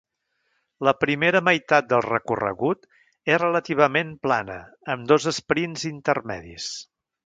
La primera meitat del recorregut és relativament plana, amb dos esprints intermedis.